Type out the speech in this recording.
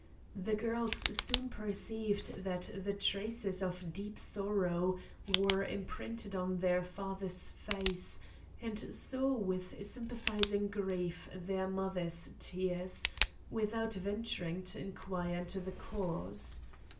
The girls soon perceived that the traces of deep sorrow were imprinted on their father's face, and saw with sympathising grief their mother's tears, without venturing to inquire into the cause.